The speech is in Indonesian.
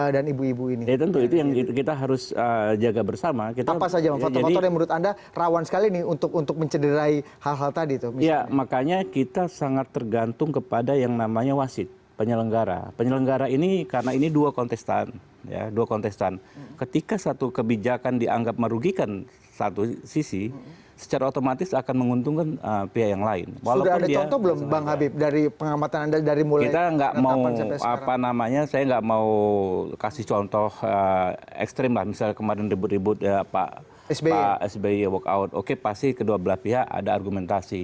diteriak teriakin apa tuh sam